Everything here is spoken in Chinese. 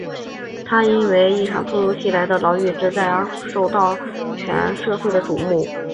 他因为一场突如其来的牢狱之灾而受到全社会的瞩目。